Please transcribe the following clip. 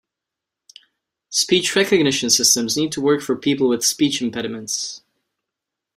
Speech recognition systems need to work for people with speech impediments.